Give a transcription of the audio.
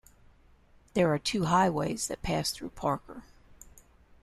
There are two highways that pass through Parker.